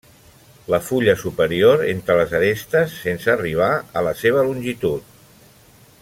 La fulla superior entre les arestes, sense arribar a la seva longitud.